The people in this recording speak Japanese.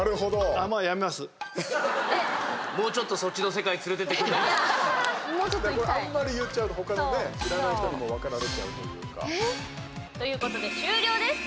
正解のものはあんまり言っちゃうと知らない人にも分かられちゃうというか。ということで終了です。